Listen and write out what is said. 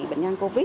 bệnh nhân covid